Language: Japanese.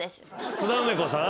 津田梅子さん？